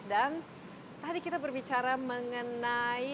dan tadi kita berbicara mengenai